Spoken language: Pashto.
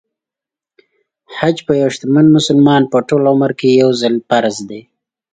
حج په یو شتمن مسلمان په ټول عمر کې يو ځل فرض دی .